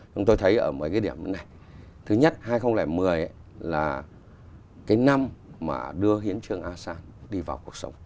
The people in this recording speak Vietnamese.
chúng tôi thấy ở mấy cái điểm này thứ nhất hai nghìn một mươi là cái năm mà đưa hiến trương asean đi vào cuộc sống